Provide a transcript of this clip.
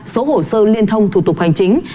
số hồ sơ liên thông thủ tục hành chính